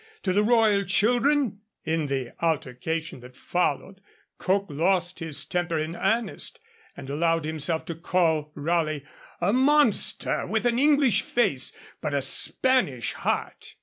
To the royal children?' In the altercation that followed, Coke lost his temper in earnest, and allowed himself to call Raleigh 'a monster with an English face, but a Spanish heart.'